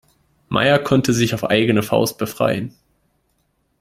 Meier konnte sich auf eigene Faust befreien.